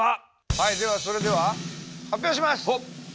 はいではそれでは発表します！